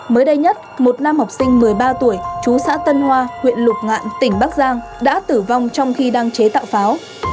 mới đây nhất một nam học sinh một mươi ba tuổi chú xã tân hoa huyện lục ngạn tỉnh bắc giang đã tử vong trong khi đang chế tạo pháo